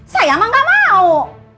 saya mah gak mau